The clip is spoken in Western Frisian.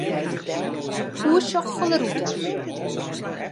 Oersjoch fan 'e rûte.